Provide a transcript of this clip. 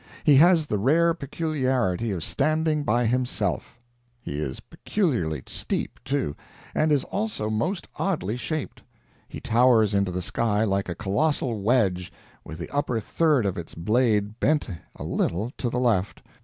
He has the rare peculiarity of standing by himself; he is peculiarly steep, too, and is also most oddly shaped. He towers into the sky like a colossal wedge, with the upper third of its blade bent a little to the left.